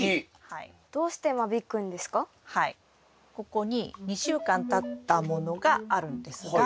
ここに２週間たったものがあるんですが。